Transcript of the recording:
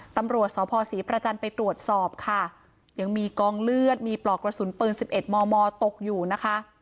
ตำรวจสพศรีประจันทร์ไปตรวจสอบค่ะยังมีกองเลือดมีปลอกกระสุนปืน๑๑มมตกอยู่นะคะ